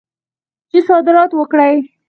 چې صادرات وکړي.